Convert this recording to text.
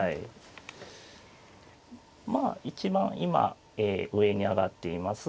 まあ一番今上に挙がっています